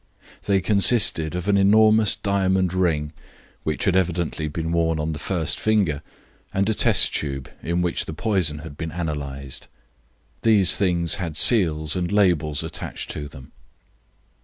They consisted of an enormous diamond ring, which had evidently been worn on the first finger, and a test tube in which the poison had been analysed. These things had seals and labels attached to them.